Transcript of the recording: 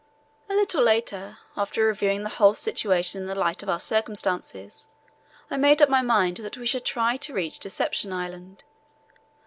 A little later, after reviewing the whole situation in the light of our circumstances, I made up my mind that we should try to reach Deception Island.